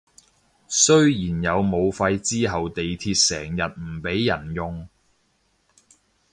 雖然有武肺之後地鐵成日唔畀人用